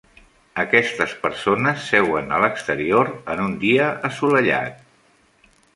Aquestes persones seuen a l'exterior en un dia assolellat.